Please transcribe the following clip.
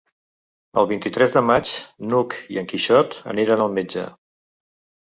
El vint-i-tres de maig n'Hug i en Quixot aniran al metge.